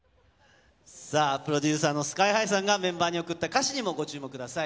プロデューサーのＳＫＹ−ＨＩさんがメンバーに送った歌詞にもご注目ください。